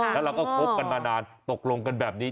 แล้วเราก็คบกันมานานตกลงกันแบบนี้